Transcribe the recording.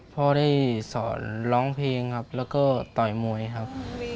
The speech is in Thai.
พ่อได้สอนร้องเพลงครับแล้วก็ต่อยมวยครับ